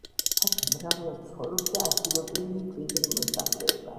აქ მრავლად ცხოვრობდა ადგილობრივი მკვიდრი მოსახლეობა.